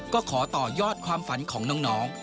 ก็ขอต่อยอดความฝันของน้อง